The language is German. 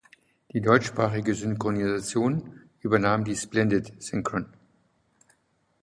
Die deutschsprachige Synchronisation übernahm die Splendid Synchron.